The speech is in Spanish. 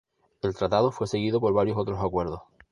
El tratado fue seguido por varios otros acuerdos.